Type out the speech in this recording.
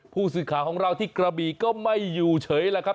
ผู้สื่อข่าวของเราที่กระบีก็ไม่อยู่เฉยแหละครับ